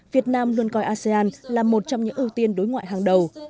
việt nam luôn coi asean là một trong những ưu tiên đối ngoại hàng đầu